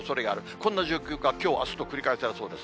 そんな状況がきょう、あすと繰り返されそうです。